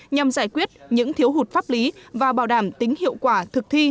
nhằm giải quyết những thiếu hụt pháp lý và bảo đảm tính hiệu quả thực thi